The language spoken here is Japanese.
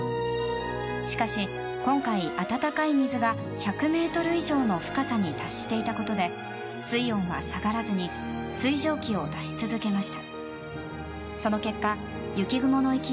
しかし今回、温かい水が１００ｍ以上の深さに達していたことで水温は下がらずに水蒸気を出し続けました。